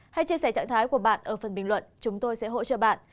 hãy chia sẻ trạng thái của bạn ở phần bình luận chúng tôi sẽ hỗ trợ bạn